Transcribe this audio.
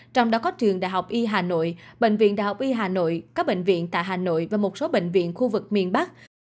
trong đó có trường đh y hà nội bệnh viện đh y hà nội các bệnh viện tại hà nội và một số bệnh viện khu vực miền bắc